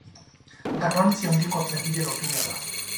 Garrantzi handiko trenbide lotunea da.